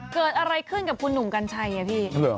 เกิดอะไรขึ้นกับคุณหนุ่มกัญชัยไงพี่